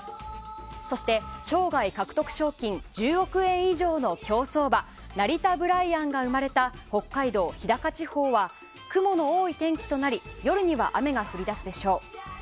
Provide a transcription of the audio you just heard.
そして生涯獲得賞金１０億円以上の競走馬ナリタブライアンが生まれた北海道日高地方は雲の多い天気となり夜には雨が降り出すでしょう。